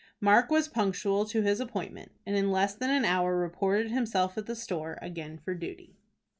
Mark was punctual to his appointment, and in a little less than an hour reported himself at the store again for duty.